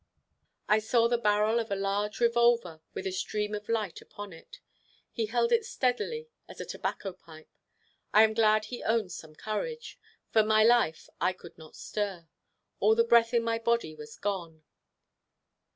I saw the barrel of a large revolver, with a stream of light upon it. He held it steadily as a tobacco pipe. I am glad he owned some courage. For my life, I could not stir. All the breath in my body was gone.